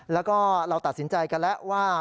แล้วก็เราตัดสินใจกันแล้วว่า